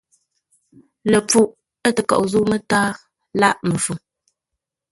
Ləpfuʼ ə̂ təkoʼ zə̂u mətǎa lâʼ mbəfuŋ.